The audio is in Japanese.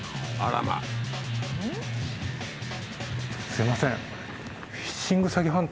すいません。